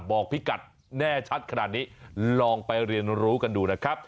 พิกัดแน่ชัดขนาดนี้ลองไปเรียนรู้กันดูนะครับ